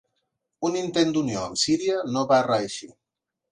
Un intent d'unió amb Síria no va reeixir.